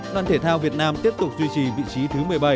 đoàn thể thao việt nam tiếp tục duy trì vị trí thứ một mươi bảy